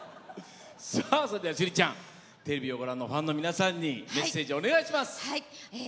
それでは趣里ちゃんテレビをご覧のファンの皆さんにメッセージをお願いします。